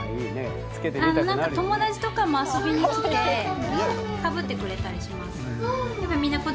友達とかも遊びに来てかぶってくれたりします。